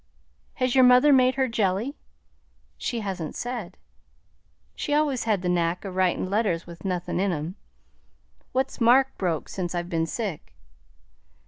"Has your mother made her jelly?" "She hasn't said." "She always had the knack o' writin' letters with nothin' in 'em. What's Mark broke sence I've been sick?"